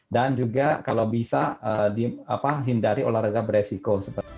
dan juga kalau bisa hindari olahraga beresiko